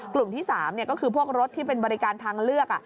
กลุ่มที่๓ก็คือพวกรถที่เป็นบริการทางเลือก